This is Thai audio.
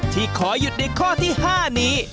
ที่ขอหยุดในข้อที่๕นี้